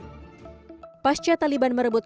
menggulingkan pemerintahan yang tersebut